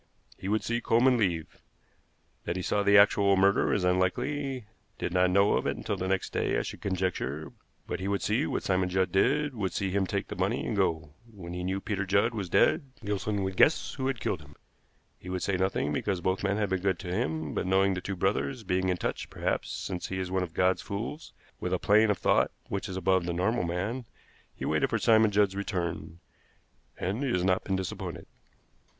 He would see Coleman leave. That he saw the actual murder is unlikely, did not know of it until the next day, I should conjecture; but he would see what Simon Judd did, would see him take the money and go. When he knew Peter Judd was dead, Gilson would guess who had killed him. He would say nothing, because both men had been good to him; but knowing the two brothers, being in touch, perhaps, since he is one of God's fools, with a plane of thought which is above the normal man, he waited for Simon Judd's return, and he has not been disappointed."